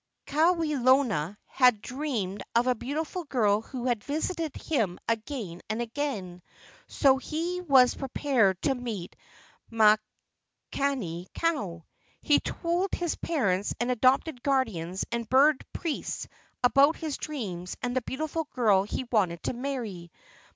Kawelona had dreamed of a beautiful girl who had visited him again and again, so he was prepared to meet Makani kau. He told his parents and adopted guardians and bird priests about his dreams and the beautiful girl he wanted to marry.